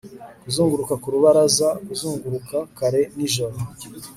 kuzunguruka ku rubaraza kuzunguruka kare nijoro